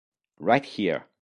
Right Here